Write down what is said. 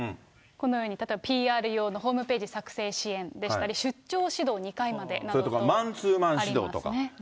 このように、例えばＰＲ用のホームページ作成支援でしたり、それとかマンツーマン指導とか。